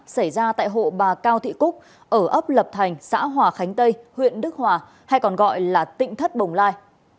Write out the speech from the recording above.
xảy ra tại hộ bà cao thị cúc ở ấp lập thành xã hòa khánh tây huyện đức hòa hay còn gọi là tỉnh thất bồng lai